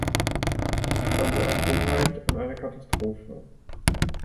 Also eine Dummheit und eine Katastrophe.